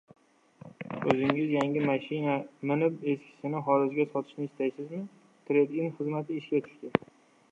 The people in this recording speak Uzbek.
O‘zingiz yangi mashina minib, eskisini xorijga sotishni istaysizmi? Trade-In xizmati ishga tushdi